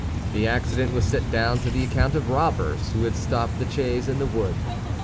The accident was set down to the account of robbers, who had stopped the chaise in the wood.